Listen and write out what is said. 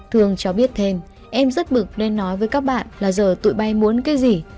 thương cho biết thêm em rất bực nên nói với các bạn là giờ tụi bay muốn cái gì